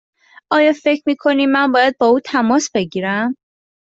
آیا فکر می کنی من باید با او تماس بگیرم؟